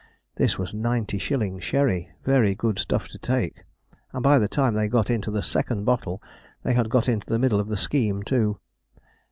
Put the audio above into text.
This was ninety shilling sherry very good stuff to take; and, by the time they got into the second bottle, they had got into the middle of the scheme too.